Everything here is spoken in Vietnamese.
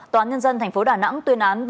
tòa án nhân dân thành phố đà nẵng tuyên án